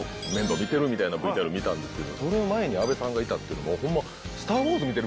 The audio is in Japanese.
みたいなＶＴＲ見たんですけどその前に阿部さんがいたっていうのホンマ。